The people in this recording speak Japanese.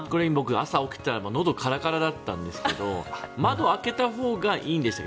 朝起きたらのどがカラカラだったんですけど窓を開けたほうがいいんでしたっけ。